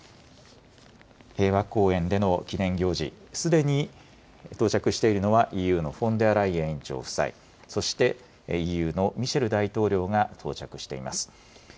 平和公園での記念行事、すでに到着しているのは、ＥＵのフォンデアライエン委員長夫妻、そしてＥＵのミシェル大統領が到着しています。